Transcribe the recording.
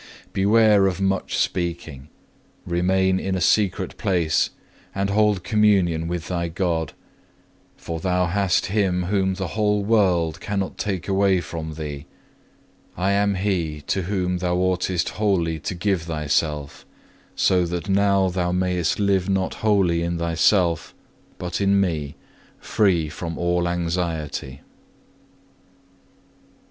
Beware of much speaking; remain in a secret place, and hold communion with thy God; for thou hast Him whom the whole world cannot take away from thee. I am He to whom thou oughtest wholly to give thyself; so that now thou mayest live not wholly in thyself, but in Me, free from all anxiety. (1) Mark xiv.